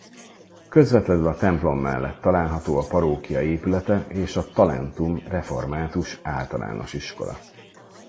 Közvetlenül a templom mellett található a parókia épülete és a Talentum Református Általános Iskola.